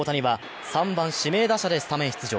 ３番・指名打者でスタメン出場。